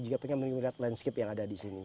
juga pengen melihat landscape yang ada di sini